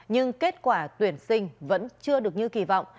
nhưng kết quả tuyển sinh vẫn chưa được như kỳ vọng